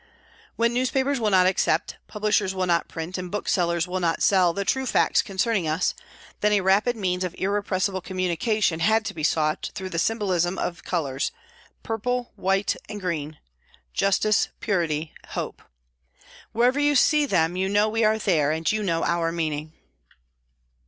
When newspapers will not accept, publishers will not print, and booksellers will not sell the true facts concerning us, then a rapid means of irrepressible communication had to be sought through the symbolism of colours, purple, white and green justice, purity, hope. Wherever you see them you know we are there, and you know our meaning.